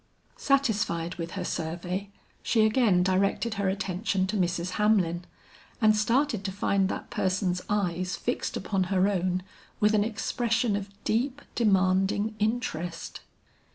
Satisfied with her survey, she again directed her attention to Mrs. Hamlin, and started to find that person's eyes fixed upon her own with an expression of deep, demanding interest.